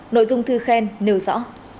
nội dung thư khen nêu rõ